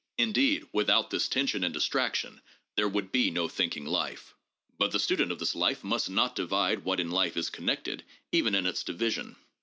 Indeed, without this tension and distraction, there would be no thinking life. But the student of this life must not divide what in life is connected even in its division.